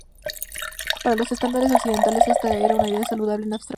Para los estándares occidentales, esta era una idea saludable en abstracto.